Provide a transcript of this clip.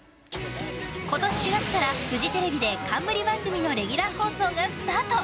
今年４月からフジテレビで冠番組のレギュラー放送がスタート。